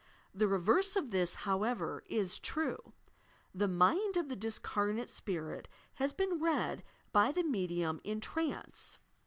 The reverse of this, however, is true. The mind of the disearnate spirit has been read by the medium in trance.